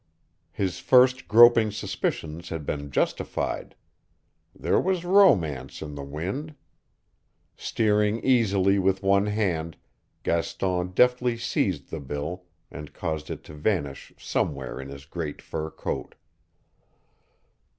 His first groping suspicions had been justified. There was romance in the wind. Steering easily with one hand, Gaston deftly seized the bill and caused it to vanish somewhere in his great fur coat.